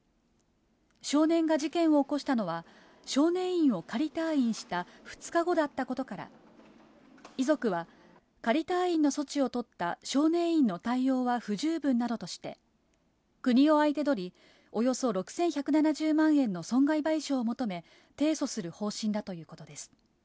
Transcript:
少年が事件を起こしたのは、少年院を仮退院した２日後だったことから、遺族は仮退院の措置を取った少年院の対応は不十分などとして、国を相手取り、およそ６１７０万円の損害賠償を求め、提訴する方針だということです。